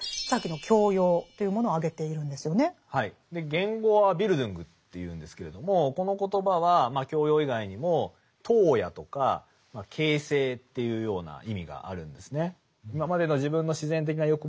原語はＢｉｌｄｕｎｇというんですけれどもこの言葉は教養以外にも陶冶とか形成というような意味があるんですね。